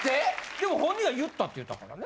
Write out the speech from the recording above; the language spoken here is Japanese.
でも本人は言ったって言ったからね。